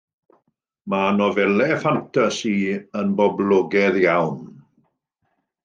Mae nofelau ffantasi yn boblogaidd iawn.